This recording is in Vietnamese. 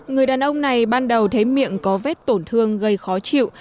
người đàn ông này ban đầu thấy miệng có vết tổn thương gây khó chịu